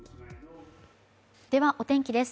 ではお天気です。